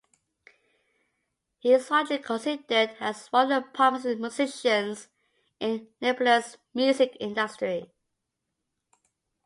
He is widely considered as one of the promising musicians in Nepalese music industry.